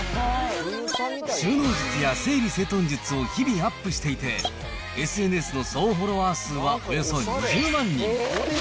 収納術や整理整頓術を日々アップしていて、ＳＮＳの総フォロワー数はおよそ２０万人。